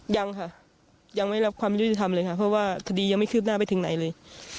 ยังค่ะยังไม่รับความยุติธรรมเลยค่ะเพราะว่าคดียังไม่คืบหน้าไปถึงไหนเลย